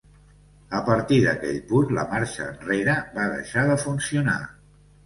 A partir d'aquell punt, la marxa enrere va deixar de funcionar.